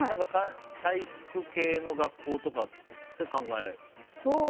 体育系の学校とかって考えてる？